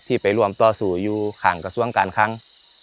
ไปร่วมต่อสู่อยู่ข้างกระทรวงการคัง